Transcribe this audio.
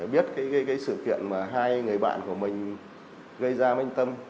biết cái sự kiện mà hai người bạn của mình gây ra manh tâm